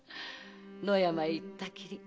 野山へ行ったきり